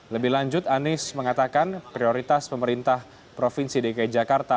lebih lanjut anies mengatakan prioritas pemerintah provinsi dki jakarta